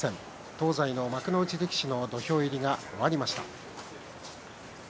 東西の幕内力士の土俵入りが終わりました。